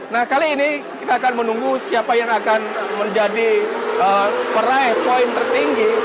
nah kali ini kita akan menunggu siapa yang akan menjadi peraih poin tertinggi